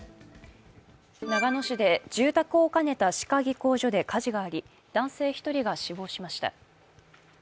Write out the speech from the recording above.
長野市で住宅を兼ねた歯科技工所で火事があり、男性１人が死亡しました。